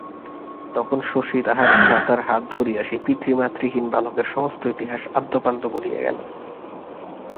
তখন শশী তাহার ভ্রাতার হাত ধরিয়া সেই পিতৃমাতৃহীন বালকের সমস্ত ইতিহাস অদ্যোপান্ত বলিয়া গেল।